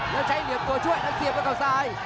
แล้วใช้เหลี่ยมตัวช่วยแล้วเสียบด้วยเขาซ้าย